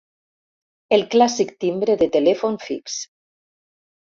El clàssic timbre de telèfon fix.